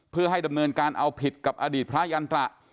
เพื่อให้ดำเนินการเอาผิดกับอดีตพระยันตระ